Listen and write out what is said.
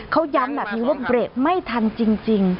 เขายั้นแบบที่รถเบรกไม่ทันจริง